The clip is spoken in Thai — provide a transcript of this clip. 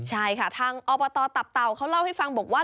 ใช่ค่ะทางอบตตับเต่าเขาเล่าให้ฟังบอกว่า